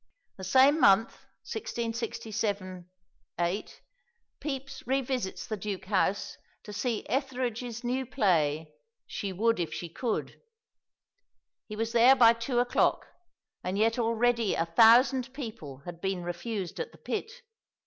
The same month, 1667 8, Pepys revisits the Duke's House to see Etherege's new play, "She Would if She Could." He was there by two o'clock, and yet already a thousand people had been refused at the pit.